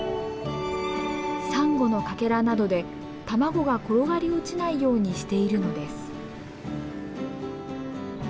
サンゴのかけらなどで卵が転がり落ちないようにしているのです。